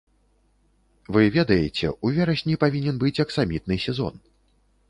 Вы ведаеце, у верасні павінен быць аксамітны сезон.